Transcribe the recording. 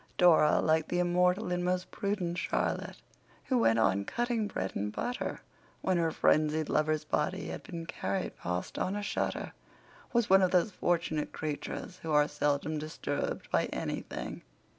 Dora, like the immortal and most prudent Charlotte, who "went on cutting bread and butter" when her frenzied lover's body had been carried past on a shutter, was one of those fortunate creatures who are seldom disturbed by anything.